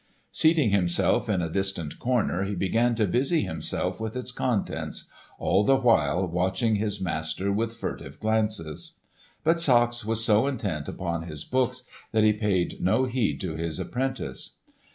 Seating himself in a distant corner he began to busy himself with its contents, all the while watching his master with furtive glances. But Sachs was so intent upon his book that he paid no heed to his apprentice.